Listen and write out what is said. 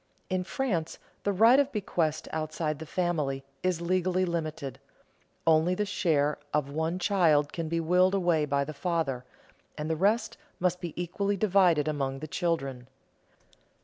In France the right of bequest outside the family is legally limited; only the share of one child can be willed away by the father, and the rest must be equally divided among the children.